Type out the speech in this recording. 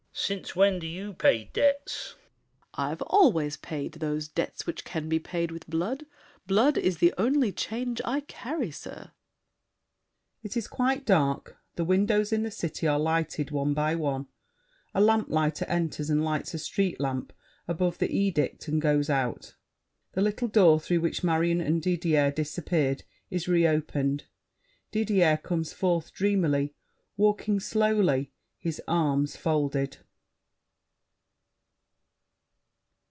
VILLAC. Since when do you pay debts? SAVERNY (proudly). I've always paid Those debts which can be paid with blood. Blood is the only change I carry, sir! [It is quite dark; the windows in the city are lighted one by one; a lamplighter enters and lights a street lamp above the edict and goes out. The little door through which Marion and Didier disappeared is re opened. Didier comes forth dreamily, walking slowly, his arms folded.